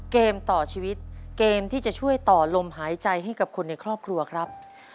เกมต่อชีวิตเกมที่จะช่วยต่อลมหายใจให้กับคนในครอบครัวครับ